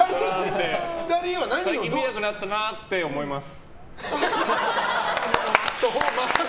最近見なくなったなって思います。